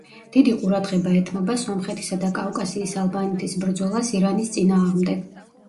დიდი ყურადღება ეთმობა სომხეთისა და კავკასიის ალბანეთის ბრძოლას ირანის წინააღმდეგ.